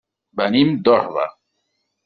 Venim d'Orba.